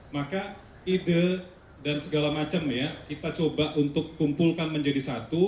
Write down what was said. maka ide dan segala macam ya kita coba untuk kumpulkan menjadi satu